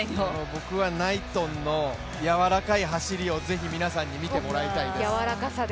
僕はナイトンのやわらかい走りをぜひ皆さんに見てもらいたいです。